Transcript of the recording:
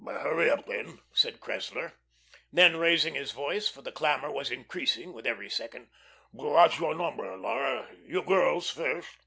"Hurry up, then," said Cressler. Then, raising his voice, for the clamour was increasing with every second: "What's your number, Laura? You girls first.